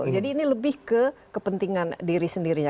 jadi ini lebih ke kepentingan diri sendirinya